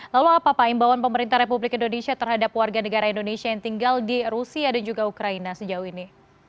lalu apa pak imbauan pemerintah republik indonesia terhadap warga negara indonesia yang tinggal di rusia dan juga ukraina sejauh ini